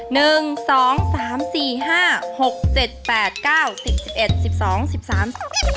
หนึ่งสองสามสี่ห้าหกเจ็ดแปดเก้าติดสิบเอ็ดสิบสองสิบสาม